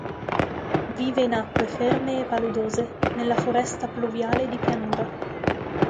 Vive in acque ferme e paludose nella foresta pluviale di pianura.